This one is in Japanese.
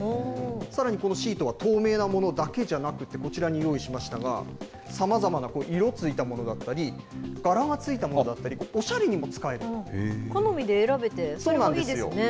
さらにこのシートは透明なものだけじゃなくて、こちらに用意しましたが、さまざまな色ついたものだったり、柄がついたものだった好みで選べていいですね。